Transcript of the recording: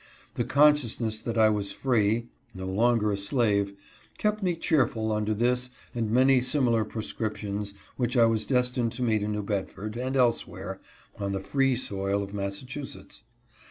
The consciousness that I was free — no longer a slave — kept me cheerful under this and many similar proscriptions which I was destined to meet in New Bedford and elsewhere on the free soil of Massachusetts.